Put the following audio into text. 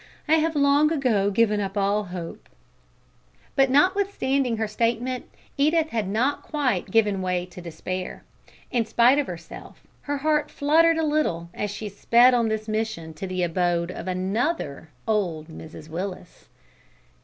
"I have long ago given up all hope." But notwithstanding her statement Edith had not quite given way to despair. In spite of herself her heart fluttered a little as she sped on this mission to the abode of another old Mrs Willis.